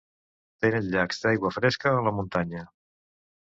Tenen llacs d'aigua fresca a la muntanya.